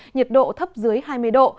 nhiệt độ thấp dưới hai mươi độ